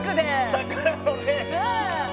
「桜のね」